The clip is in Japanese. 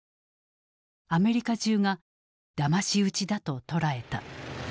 アメリカ中がだまし討ちだと捉えた。